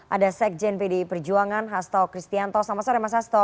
ada sekjen pdi perjuangan hasto kristianto selamat sore mas hasto